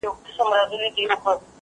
ته ولي زده کړه کوې،